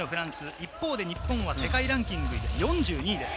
一方、日本は世界ランキング４２位です。